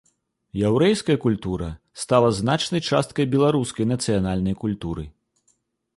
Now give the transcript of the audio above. Яўрэйская культура стала значнай часткай беларускай нацыянальнай культуры.